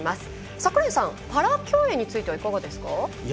櫻井さん、パラ競泳についてはいかがですか？